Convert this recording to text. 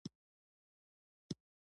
دې اضافي پیسو ته سود ویل کېږي